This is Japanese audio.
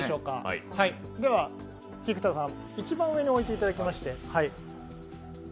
では、一番上に置いていただきまして。